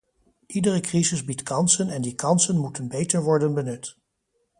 Iedere crisis biedt kansen en die kansen moeten beter worden benut.